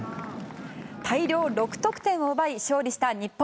大量６得点を奪い勝利した日本。